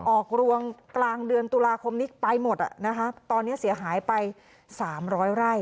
ออกรวงกลางเดือนตุลาคมนี้ไปหมดอ่ะนะคะตอนนี้เสียหายไปสามร้อยไร่